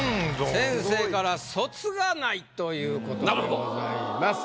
先生から「そつがない！」ということでございます。